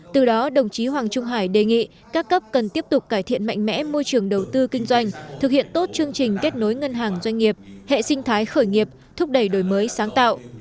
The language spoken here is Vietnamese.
từ đó đồng chí hoàng trung hải đề nghị các cấp cần tiếp tục cải thiện mạnh mẽ môi trường đầu tư kinh doanh thực hiện tốt chương trình kết nối ngân hàng doanh nghiệp hệ sinh thái khởi nghiệp thúc đẩy đổi mới sáng tạo